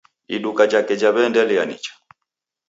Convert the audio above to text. Iduka jake jaweendelea nicha